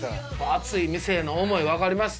熱い店への思い分かります